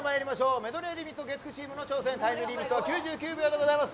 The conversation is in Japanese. メドレーリミット月９チームの挑戦タイムリミットは９９秒でございます。